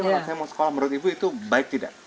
jadi kalau saya mau sekolah menurut ibu itu baik tidak